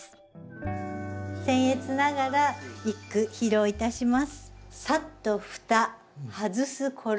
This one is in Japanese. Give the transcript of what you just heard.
せん越ながら一句披露いたします。